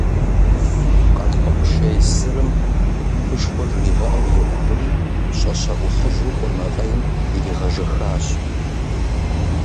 Къэлмыкъ шей сырым «хъупышхуэ» жригъэӀэу еӀубри, щӀэщэӀухьыжу къурмэкъейм иригъэжэхащ.